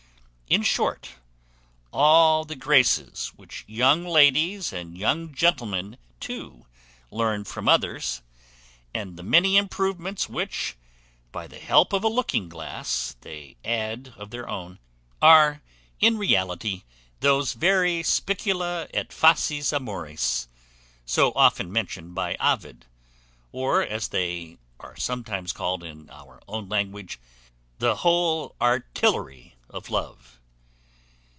In short, all the graces which young ladies and young gentlemen too learn from others, and the many improvements which, by the help of a looking glass, they add of their own, are in reality those very spicula et faces amoris so often mentioned by Ovid; or, as they are sometimes called in our own language, the whole artillery of love.